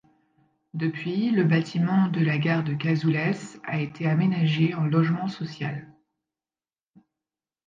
Depuis, le bâtiment de la gare de Cazoulès a été aménagée en logement social.